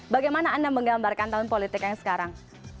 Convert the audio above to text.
bagaimana anda menggambarkan tahun politik yang sekarang